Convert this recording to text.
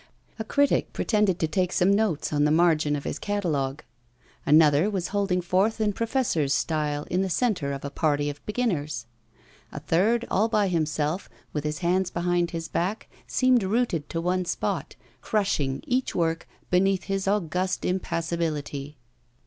A critic pretended to take some notes on the margin of his catalogue; another was holding forth in professor's style in the centre of a party of beginners; a third, all by himself, with his hands behind his back, seemed rooted to one spot, crushing each work beneath his august impassibility.